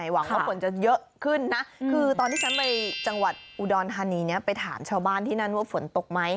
หวังว่าฝนจะเยอะขึ้นนะคือตอนที่ฉันไปจังหวัดอุดรธานีเนี่ยไปถามชาวบ้านที่นั่นว่าฝนตกไหม